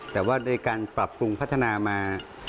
แต่ว่าโดยการปรับปรุงพัฒนามา